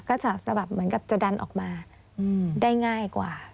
ก็จะแบบเหมือนกับจะดันออกมาได้ง่ายกว่า